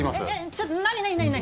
ちょっと何何何何？